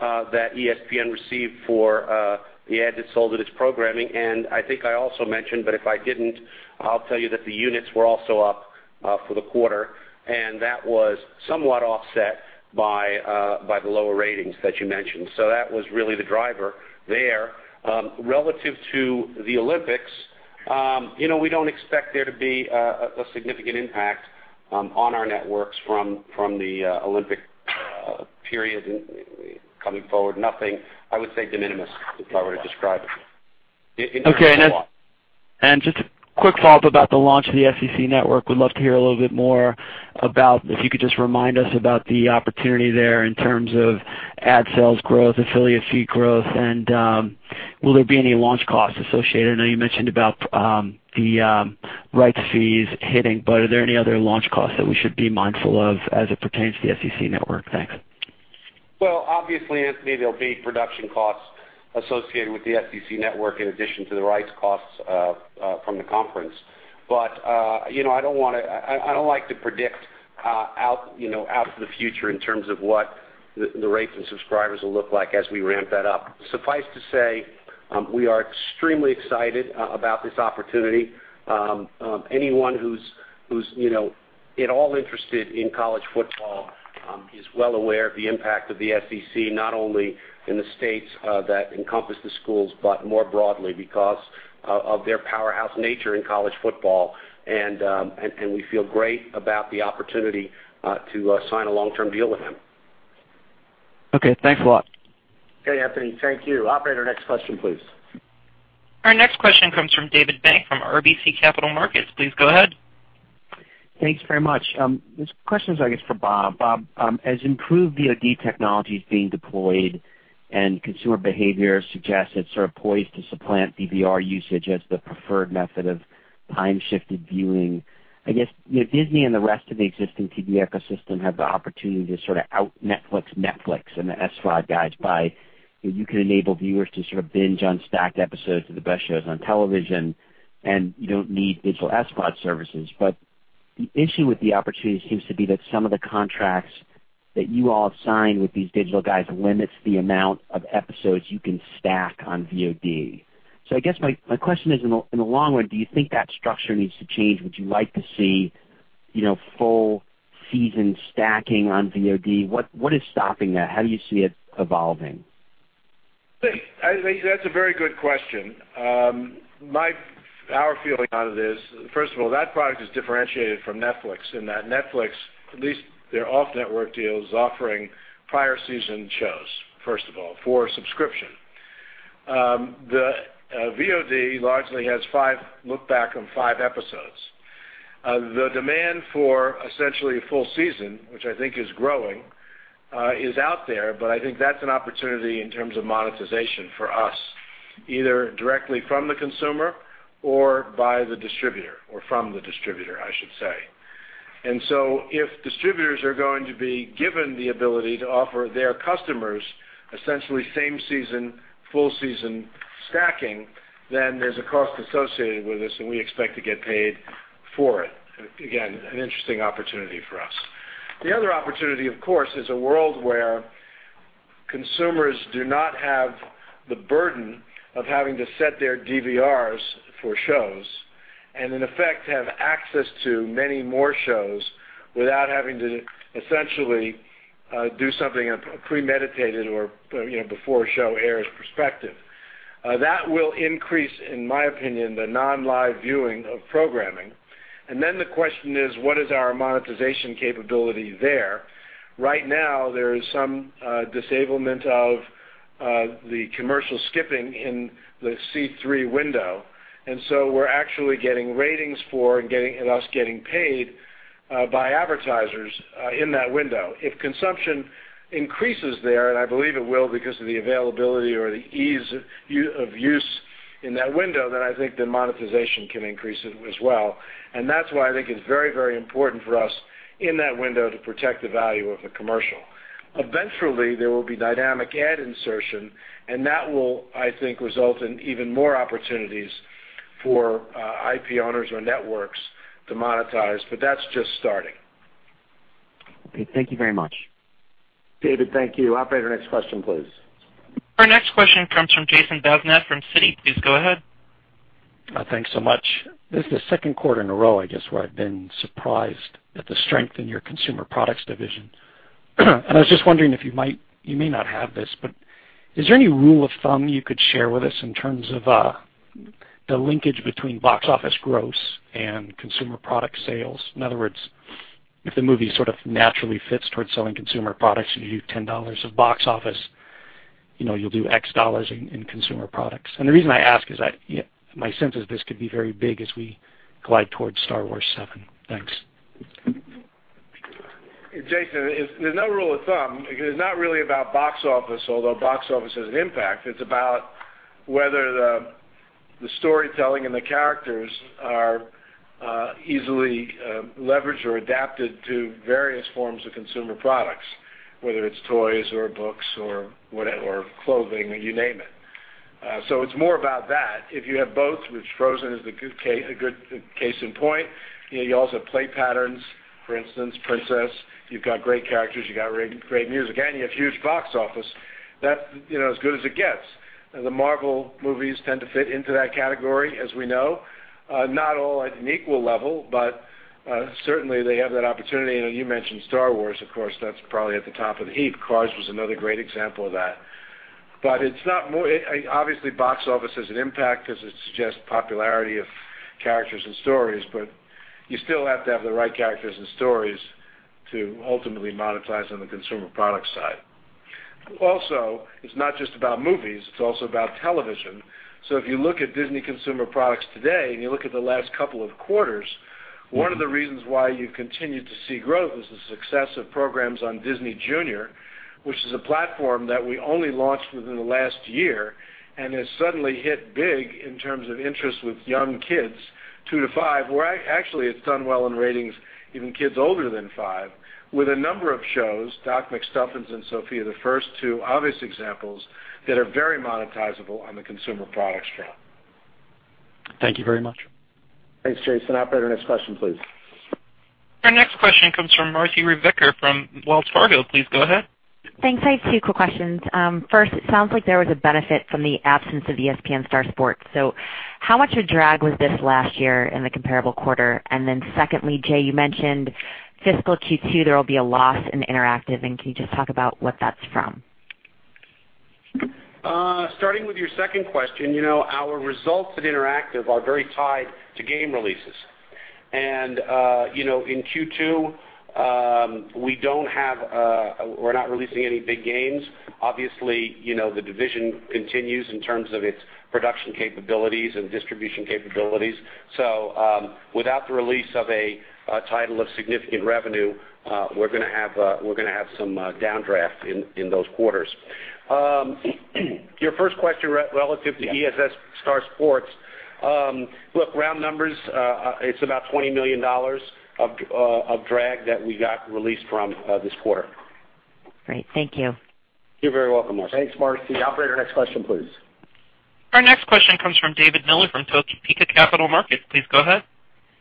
that ESPN received for the ads it sold in its programming. I think I also mentioned, but if I didn't, I'll tell you that the units were also up for the quarter, and that was somewhat offset by the lower ratings that you mentioned. That was really the driver there. Relative to the Olympics, we don't expect there to be a significant impact on our networks from the Olympic period coming forward. Nothing, I would say de minimis, if I were to describe it. Just a quick follow-up about the launch of the SEC Network. Would love to hear a little bit more about if you could just remind us about the opportunity there in terms of ad sales growth, affiliate fee growth, and will there be any launch costs associated? I know you mentioned about the rights fees hitting, are there any other launch costs that we should be mindful of as it pertains to the SEC Network? Thanks. Well, obviously, Anthony, there'll be production costs associated with the SEC Network in addition to the rights costs from the conference. I don't like to predict out to the future in terms of what the rates and subscribers will look like as we ramp that up. Suffice to say, we are extremely excited about this opportunity. Anyone who's at all interested in college football is well aware of the impact of the SEC, not only in the states that encompass the schools, but more broadly because of their powerhouse nature in college football. We feel great about the opportunity to sign a long-term deal with them. Okay, thanks a lot. Okay, Anthony. Thank you. Operator, next question, please. Our next question comes from David Bank from RBC Capital Markets. Please go ahead. Thanks very much. This question is, I guess, for Bob. Bob, as improved VOD technology is being deployed and consumer behavior suggests it's sort of poised to supplant DVR usage as the preferred method of time-shifted viewing, I guess Disney and the rest of the existing TV ecosystem have the opportunity to sort of out-Netflix Netflix and the SVOD guys by you can enable viewers to sort of binge on stacked episodes of the best shows on television, you don't need digital SVOD services. The issue with the opportunity seems to be that some of the contracts that you all have signed with these digital guys limits the amount of episodes you can stack on VOD. I guess my question is, in the long run, do you think that structure needs to change? Would you like to see full season stacking on VOD? What is stopping that? How do you see it evolving? That's a very good question. Our feeling on it is, first of all, that product is differentiated from Netflix in that Netflix, at least their off-network deal, is offering prior season shows, first of all, for subscription. The VOD largely has five look back and five episodes. The demand for essentially a full season, which I think is growing, is out there, but I think that's an opportunity in terms of monetization for us, either directly from the consumer or by the distributor, or from the distributor, I should say. If distributors are going to be given the ability to offer their customers essentially same season, full season stacking, then there's a cost associated with this, and we expect to get paid for it. Again, an interesting opportunity for us. The other opportunity, of course, is a world where consumers do not have the burden of having to set their DVRs for shows, and in effect, have access to many more shows without having to essentially, do something premeditated or before a show airs perspective. That will increase, in my opinion, the non-live viewing of programming. The question is: what is our monetization capability there? Right now, there is some disablement of the commercial skipping in the C3 window, and so we're actually getting ratings for and us getting paid by advertisers in that window. If consumption increases there, and I believe it will because of the availability or the ease of use in that window, then I think the monetization can increase as well. That's why I think it's very important for us in that window to protect the value of the commercial. Eventually, there will be dynamic ad insertion, and that will, I think, result in even more opportunities for IP owners or networks to monetize. That's just starting. Okay. Thank you very much. David, thank you. Operator, next question, please. Our next question comes from Jason Bazinet from Citi. Please go ahead. Thanks so much. This is the second quarter in a row, I guess, where I've been surprised at the strength in your consumer products division. I was just wondering if you might, you may not have this, but is there any rule of thumb you could share with us in terms of the linkage between box office gross and consumer product sales? In other words, if the movie sort of naturally fits towards selling consumer products and you do $10 of box office, you'll do X dollars in consumer products. The reason I ask is my sense is this could be very big as we glide towards Star Wars VII. Thanks. Jason, there's no rule of thumb because it's not really about box office, although box office has an impact. It's about whether the storytelling and the characters are easily leveraged or adapted to various forms of consumer products, whether it's toys or books or clothing, you name it. It's more about that. If you have both, which Frozen is a good case in point, you also have play patterns, for instance, Princess, you've got great characters, you got great music, and you have huge box office. That's as good as it gets. The Marvel movies tend to fit into that category, as we know. Not all at an equal level, but certainly they have that opportunity. You mentioned Star Wars, of course, that's probably at the top of the heap. Cars was another great example of that. Obviously, box office has an impact because it suggests popularity of characters and stories, but you still have to have the right characters and stories to ultimately monetize on the consumer product side. Also, it's not just about movies, it's also about television. If you look at Disney consumer products today, and you look at the last couple of quarters, one of the reasons why you continue to see growth is the success of programs on Disney Junior, which is a platform that we only launched within the last year and has suddenly hit big in terms of interest with young kids two to five, where actually it's done well in ratings, even kids older than five, with a number of shows, Doc McStuffins and Sofia the First two obvious examples that are very monetizable on the consumer products front. Thank you very much. Thanks, Jason. Operator, next question, please. Our next question comes from Marci Ryvicker from Wells Fargo. Please go ahead. Thanks. I have two quick questions. First, it sounds like there was a benefit from the absence of ESPN STAR Sports. How much a drag was this last year in the comparable quarter? Secondly, Jay, you mentioned fiscal Q2, there will be a loss in Interactive. Can you just talk about what that's from? Starting with your second question, our results at Interactive are very tied to game releases. In Q2, we're not releasing any big games. Obviously, the division continues in terms of its production capabilities and distribution capabilities. Without the release of a title of significant revenue, we're going to have some downdraft in those quarters. Your first question relative to ESPN STAR Sports. Look, round numbers, it's about $20 million of drag that we got released from this quarter. Great. Thank you. You're very welcome, Marci. Thanks, Marci. Operator, next question, please. Our next question comes from David Miller from Topeka Capital Markets. Please go ahead.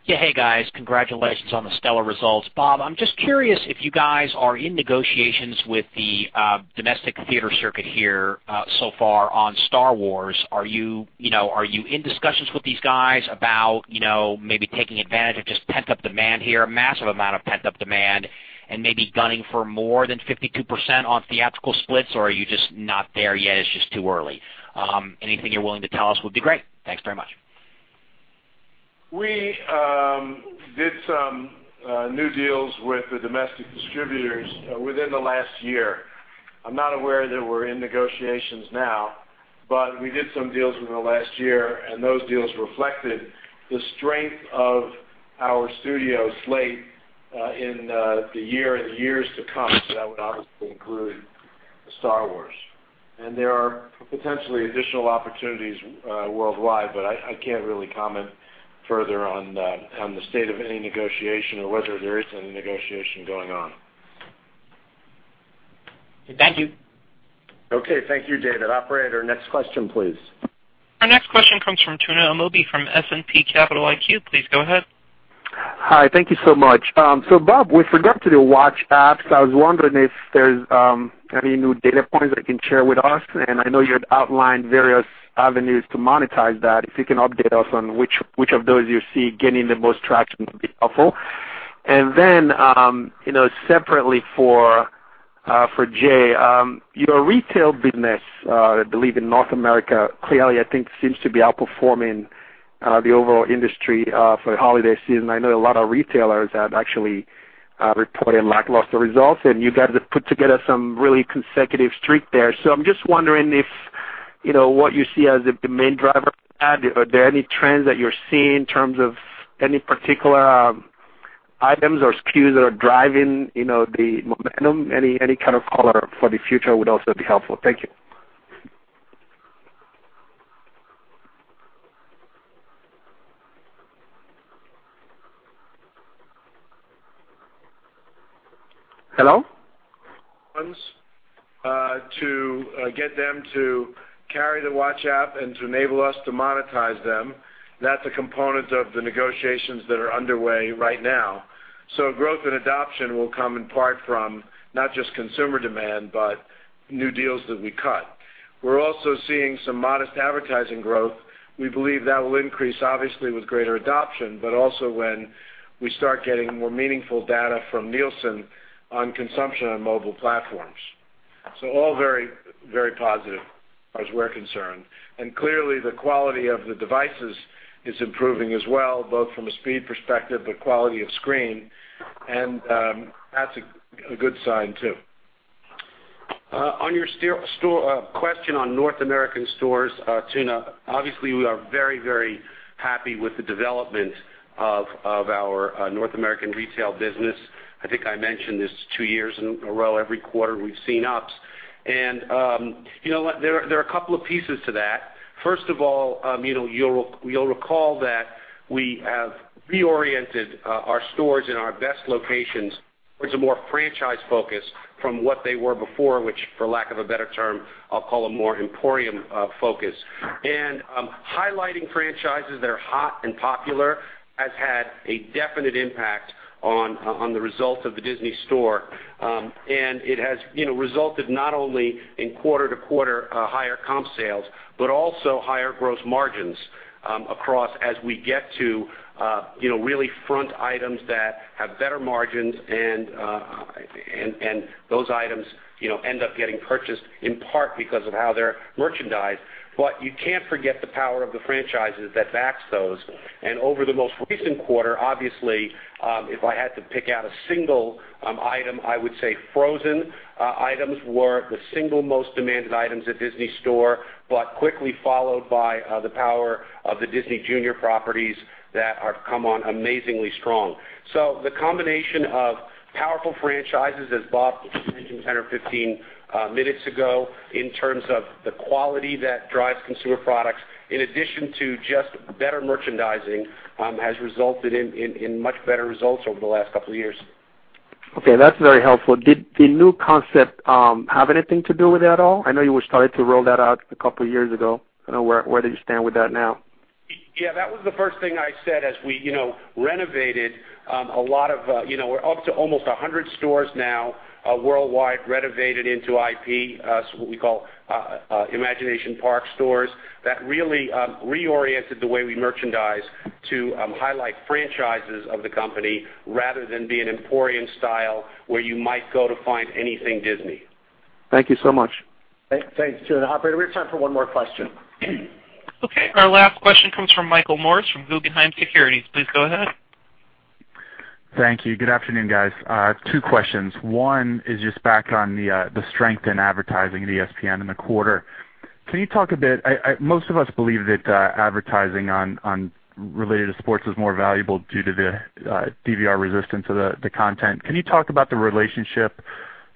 Yeah. Hey, guys. Congratulations on the stellar results. Bob, I'm just curious if you guys are in negotiations with the domestic theater circuit here so far on Star Wars. Are you in discussions with these guys about maybe taking advantage of just pent-up demand here, a massive amount of pent-up demand and maybe gunning for more than 52% on theatrical splits? Are you just not there yet, it's just too early? Anything you're willing to tell us would be great. Thanks very much. We did some new deals with the domestic distributors within the last year. I'm not aware that we're in negotiations now, but we did some deals within the last year, and those deals reflected the strength of our studio slate in the years to come. That would obviously include Star Wars. There are potentially additional opportunities worldwide, but I can't really comment further on the state of any negotiation or whether there is any negotiation going on. Thank you. Okay. Thank you, David. Operator, next question, please. Our next question comes from Tuna Amobi from S&P Capital IQ. Please go ahead. Hi. Thank you so much. Bob, with regard to the WatchESPN apps, I was wondering if there's any new data points that you can share with us. I know you had outlined various avenues to monetize that. If you can update us on which of those you see getting the most traction, would be helpful. Separately for Jay, your retail business, I believe in North America, clearly, I think seems to be outperforming the overall industry, for the holiday season. I know a lot of retailers have actually reported lackluster results, and you guys have put together some really consecutive streak there. I'm just wondering what you see as the main driver of that. Are there any trends that you're seeing in terms of any particular items or SKUs that are driving the momentum? Any kind of color for the future would also be helpful. Thank you. Hello? To get them to carry the WatchESPN app and to enable us to monetize them, that's a component of the negotiations that are underway right now. Growth and adoption will come in part from not just consumer demand, but new deals that we cut. We're also seeing some modest advertising growth. We believe that will increase obviously with greater adoption, but also when we start getting more meaningful data from Nielsen on consumption on mobile platforms. All very positive, as we're concerned. Clearly the quality of the devices is improving as well, both from a speed perspective, but quality of screen. That's a good sign too. On your question on North American stores, Tuna, obviously we are very happy with the development of our North American retail business. I think I mentioned this two years in a row, every quarter we've seen ups. There are a couple of pieces to that. First of all, you'll recall that we have reoriented our stores in our best locations towards a more franchise focus from what they were before, which for lack of a better term, I'll call a more emporium focus. Highlighting franchises that are hot and popular has had a definite impact on the results of the Disney Store. It has resulted not only in quarter-to-quarter higher comp sales, but also higher gross margins across as we get to really front items that have better margins and those items end up getting purchased in part because of how they're merchandised. You can't forget the power of the franchises that backs those. Over the most recent quarter, obviously, if I had to pick out a single item, I would say Frozen items were the single most demanded items at Disney Store, but quickly followed by the power of the Disney Junior properties that have come on amazingly strong. The combination of powerful franchises, as Bob mentioned 10 or 15 minutes ago, in terms of the quality that drives consumer products, in addition to just better merchandising, has resulted in much better results over the last couple of years. Okay, that's very helpful. Did the new concept have anything to do with it at all? I know you were starting to roll that out a couple of years ago. Where do you stand with that now? Yeah, that was the first thing I said as we renovated we're up to almost 100 stores now worldwide, renovated into IP, what we call Imagination Park stores that really reoriented the way we merchandise to highlight franchises of the company rather than be an emporium style where you might go to find anything Disney. Thank you so much. Thanks, Tuna. Operator, we have time for one more question. Okay, our last question comes from Michael Morris from Guggenheim Securities. Please go ahead. Thank you. Good afternoon, guys. Two questions. One is just back on the strength in advertising in ESPN in the quarter. Most of us believe that advertising related to sports is more valuable due to the DVR resistance of the content. Can you talk about the relationship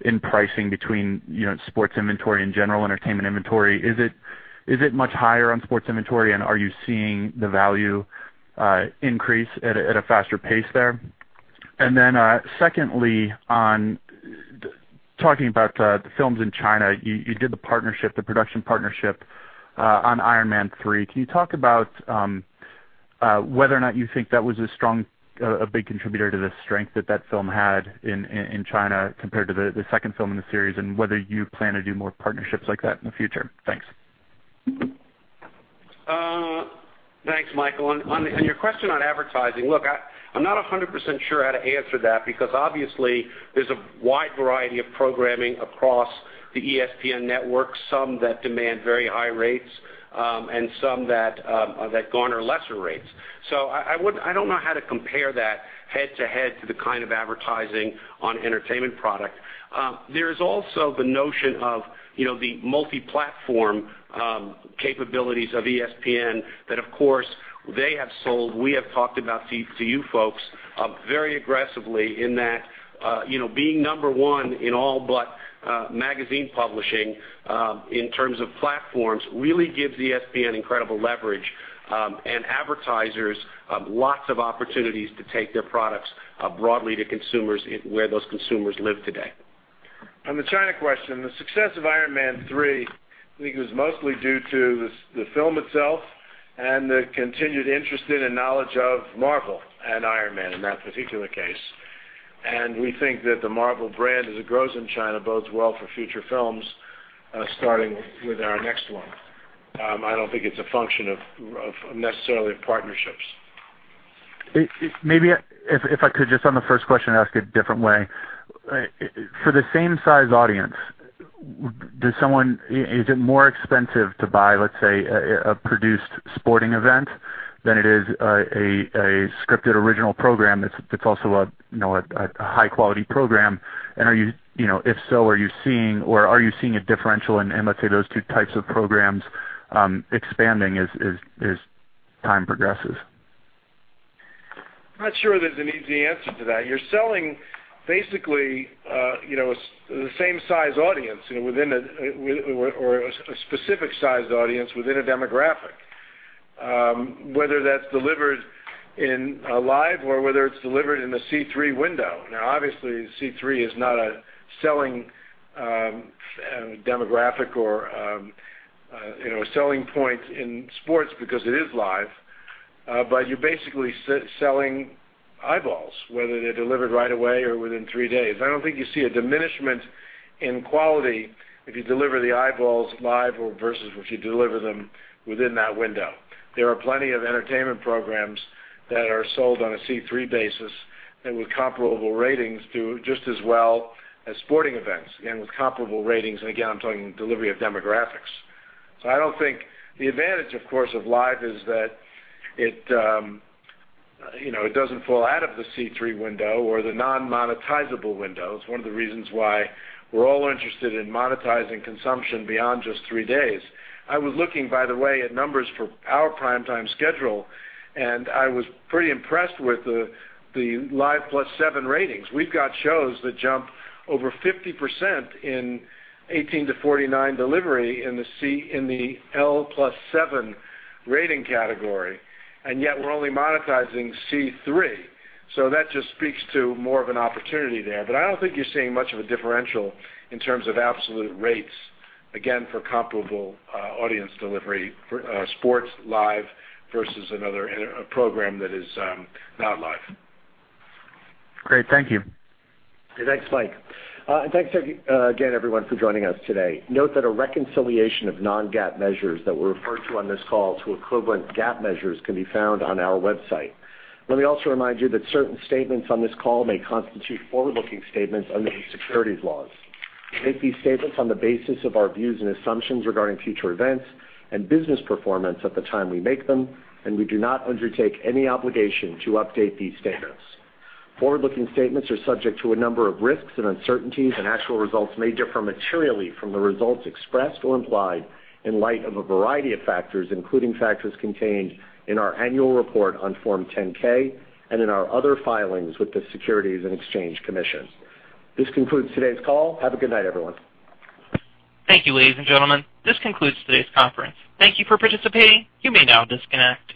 in pricing between sports inventory and general entertainment inventory? Is it much higher on sports inventory, and are you seeing the value increase at a faster pace there? Secondly, on talking about the films in China, you did the production partnership on Iron Man 3. Can you talk about whether or not you think that was a big contributor to the strength that that film had in China compared to the second film in the series, and whether you plan to do more partnerships like that in the future? Thanks. Thanks, Michael. On your question on advertising, look, I'm not 100% sure how to answer that because obviously there's a wide variety of programming across the ESPN Network, some that demand very high rates, and some that garner lesser rates. I don't know how to compare that head-to-head to the kind of advertising on entertainment product. There's also the notion of the multi-platform capabilities of ESPN that, of course, they have sold. We have talked about to you folks very aggressively in that being number one in all but magazine publishing, in terms of platforms, really gives ESPN incredible leverage, and advertisers lots of opportunities to take their products broadly to consumers where those consumers live today. On the China question, the success of Iron Man 3, I think it was mostly due to the film itself and the continued interest in and knowledge of Marvel and Iron Man in that particular case. We think that the Marvel brand, as it grows in China, bodes well for future films, starting with our next one. I don't think it's a function necessarily of partnerships. Maybe if I could just on the first question, ask a different way. For the same size audience, is it more expensive to buy, let's say, a produced sporting event than it is a scripted original program that's also a high-quality program? If so, are you seeing a differential in, let's say, those two types of programs expanding as time progresses? I'm not sure there's an easy answer to that. You're selling basically the same size audience or a specific size audience within a demographic, whether that's delivered in live or whether it's delivered in the C3 window. Obviously, C3 is not a selling demographic or a selling point in sports because it is live. You're basically selling eyeballs, whether they're delivered right away or within three days. I don't think you see a diminishment in quality if you deliver the eyeballs live versus if you deliver them within that window. There are plenty of entertainment programs that are sold on a C3 basis and with comparable ratings do just as well as sporting events and with comparable ratings. Again, I'm talking delivery of demographics. I don't think the advantage, of course, of live is that it doesn't fall out of the C3 window or the non-monetizable window. It's one of the reasons why we're all interested in monetizing consumption beyond just three days. I was looking, by the way, at numbers for our prime time schedule, and I was pretty impressed with the live plus seven ratings. We've got shows that jump over 50% in 18 to 49 delivery in the L plus seven rating category, and yet we're only monetizing C3. That just speaks to more of an opportunity there. I don't think you're seeing much of a differential in terms of absolute rates, again, for comparable audience delivery, sports live versus another program that is not live. Great. Thank you. Thanks, Mike. Thanks again, everyone, for joining us today. Note that a reconciliation of non-GAAP measures that were referred to on this call to equivalent GAAP measures can be found on our website. Let me also remind you that certain statements on this call may constitute forward-looking statements under the securities laws. We make these statements on the basis of our views and assumptions regarding future events and business performance at the time we make them, and we do not undertake any obligation to update these statements. Forward-looking statements are subject to a number of risks and uncertainties, and actual results may differ materially from the results expressed or implied in light of a variety of factors, including factors contained in our annual report on Form 10-K and in our other filings with the Securities and Exchange Commission. This concludes today's call. Have a good night, everyone. Thank you, ladies and gentlemen. This concludes today's conference. Thank you for participating. You may now disconnect.